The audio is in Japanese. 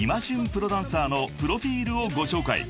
プロダンサーのプロフィルをご紹介］